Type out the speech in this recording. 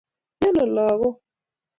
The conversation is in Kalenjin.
Mieno lagok.